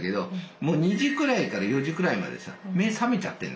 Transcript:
もう２時くらいから４時くらいまでさ目覚めちゃってんの。